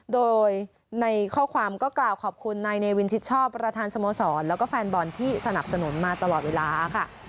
โดยในข้อความก็กล่าวขอบคุณนายเนวินชิดชอบประธานสโมสรแล้วก็แฟนบอลที่สนับสนุนมาตลอดเวลาค่ะ